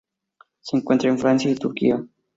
Se encuentra en Francia y Turquía.